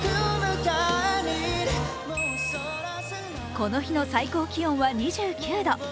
この日の最高気温は２９度。